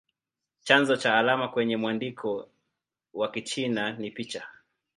Chanzo cha alama kwenye mwandiko wa Kichina ni picha.